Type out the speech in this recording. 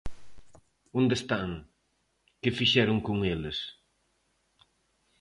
¿Onde están?, ¿que fixeron con eles?